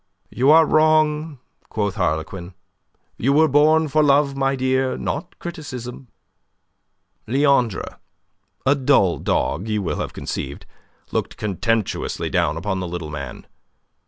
"You are wrong," quoth Harlequin. "You were born for love, my dear, not criticism." Leandre a dull dog, as you will have conceived looked contemptuously down upon the little man.